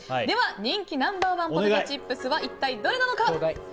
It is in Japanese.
では人気ナンバー１ポテトチップスは一体どれなのか。